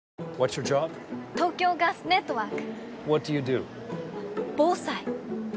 それ！東京ガスネットワーク！